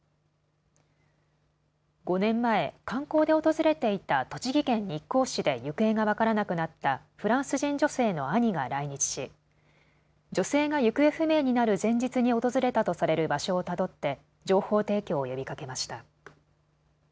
５年前、観光で訪れていた栃木県日光市で行方が分からなくなったフランス人女性の兄が来日し女性が行方不明になる前日に訪れたとされる場所をたどって情報提供を呼びかけました。